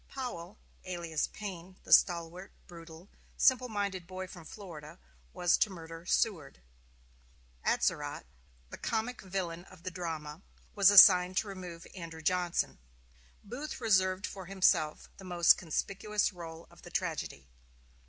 Powell, alias Payne, the stalwart, brutal, simple minded boy from Florida, was to murder Seward; Atzerodt, the comic villain of the drama, was assigned to remove Andrew Johnson; Booth reserved for himself the most conspicuous rôle of the tragedy.